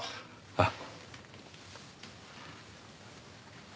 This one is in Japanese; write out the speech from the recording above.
あっ。